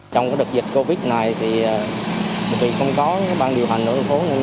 trong đợt dịch covid này tùy không có bang điều hành tổ dân phố